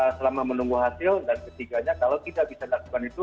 selama menunggu hasil dan ketiganya kalau tidak bisa dilakukan itu